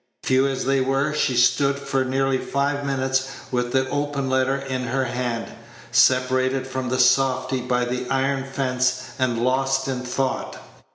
Few as they were, she stood for nearly five minutes with the open letter in her hand, separated from the softy by the iron fence, and lost in thought.